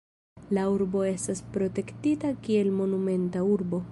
La urbo estas protektita kiel Monumenta Urbo.